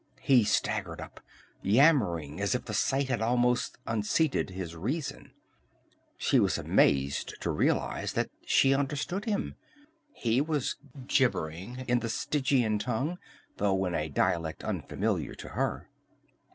He staggered up, yammering as if the sight had almost unseated his reason. She was amazed to realize that she understood him. He was gibbering in the Stygian tongue, though in a dialect unfamiliar to her.